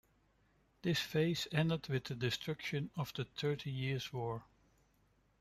This phase ended with the destructions of the Thirty Years' War.